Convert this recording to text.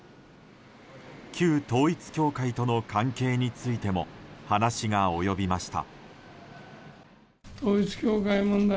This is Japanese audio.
旧統一教会との関係についても話が及びました。